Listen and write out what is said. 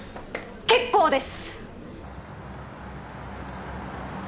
結構です！